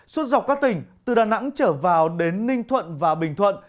suốt dọc các tỉnh từ đà nẵng trở vào đến ninh thuận và bình thuận